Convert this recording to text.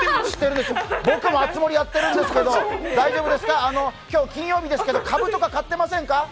知ってるんですよ、僕も「あつ森」やってるんですけど、大丈夫ですか、今日、金曜日ですけど株とか買ってませんか？